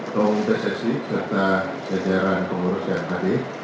pemimpin sesi serta sejarah pengurus yang tadi